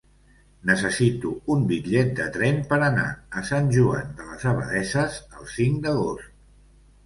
Necessito un bitllet de tren per anar a Sant Joan de les Abadesses el cinc d'agost.